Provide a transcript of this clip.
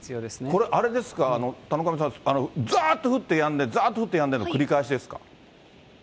これ、あれですか、田上さん、ざーっと降ってやんで、ざーっと降ってやんでの繰り返しですか？